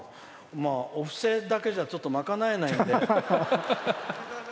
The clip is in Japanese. お布施だけじゃ、ちょっと賄えないので。